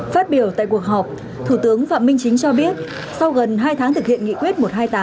phát biểu tại cuộc họp thủ tướng phạm minh chính cho biết sau gần hai tháng thực hiện nghị quyết một trăm hai mươi tám